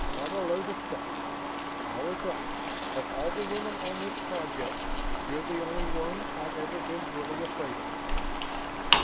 What a load of stuff! I was right of all the women on this project, you're the only one I've ever been really afraid of."